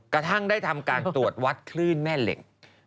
กระทั่งได้ทำการตรวจวัดคลื่นแม่เหล็ก